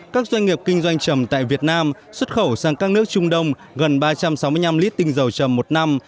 các doanh nghiệp kinh doanh chầm tại việt nam xuất khẩu sang các nước trung đông gần ba trăm sáu mươi năm lít tinh dầu chầm một năm